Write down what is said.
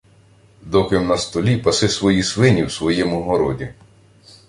— Доки-м на столі, паси свої свині в своєму городі.